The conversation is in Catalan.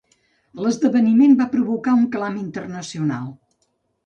L'esdeveniment va provocar un clam internacional.